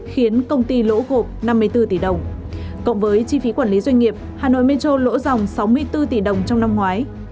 khiến công ty lỗ gộp năm mươi bốn tỷ đồng cộng với chi phí quản lý doanh nghiệp hà nội metro lỗ dòng sáu mươi bốn tỷ đồng trong năm ngoái